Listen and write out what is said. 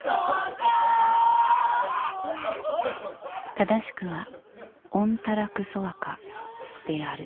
正しくはオンタラクソワカである。